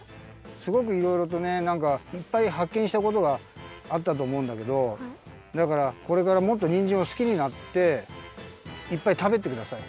すごくいろいろとねいっぱいはっけんしたことがあったとおもうんだけどだからこれからもっとにんじんをすきになっていっぱいたべてください。